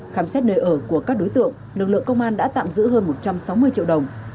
khám xét nơi ở của các đối tượng lực lượng công an đã tạm giữ hơn một trăm sáu mươi triệu đồng